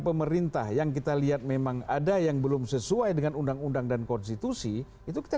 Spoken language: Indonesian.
pemerintah yang kita lihat memang ada yang belum sesuai dengan undang undang dan konstitusi itu kita